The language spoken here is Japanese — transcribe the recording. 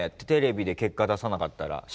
テレビで結果出さなかったら。